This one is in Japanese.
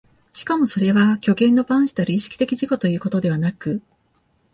しかもそれは虚幻の伴子たる意識的自己ということではなく、